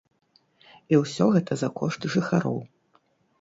І ўсё гэта за кошт жыхароў.